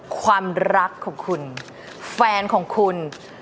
ความรักของคุณแฟนของคุณ